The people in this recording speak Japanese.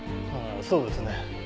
ああそうですね。